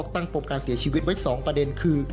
ปมการเสียชีวิตไว้๒ประเด็นคือ